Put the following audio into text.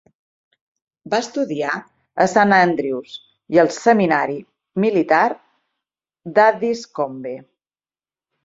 Va estudiar a Saint Andrews i al seminari militar d'Addiscombe.